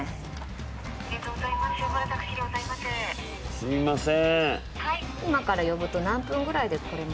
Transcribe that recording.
すみません。